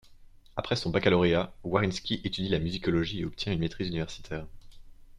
Après son baccalauréat, Warynski étudie la musicologie et obtient une maîtrise universitaire.